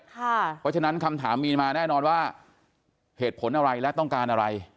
เพราะฉะนั้นคำถามมีมาแน่นอนว่าเหตุผลอะไรและต้องการอะไร